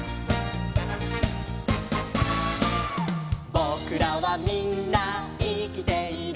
「ぼくらはみんないきている」